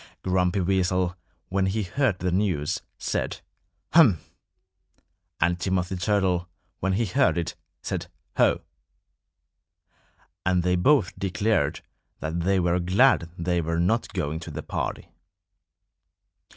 Grumpy Weasel, when he heard the news, said, "Humph!" And Timothy Turtle, when he heard it, said, "Ho!" And they both declared that they were glad they were not going to the party.